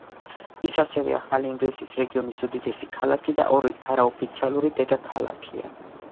ის ასევე ახალი ინგლისის რეგიონის უდიდესი ქალაქი და არაოფიციალური დედაქალაქია.